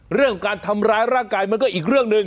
เรื่องการทำร้ายร่างกายมันก็อีกเรื่องหนึ่ง